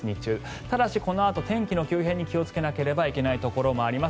ただし、このあと天気の急変に気をつけなければいけないところもあります。